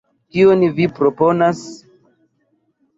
Kion vi proponas?